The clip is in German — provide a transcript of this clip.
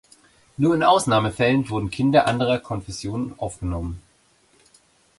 Nur in Ausnahmefällen wurden Kinder anderer Konfession aufgenommen.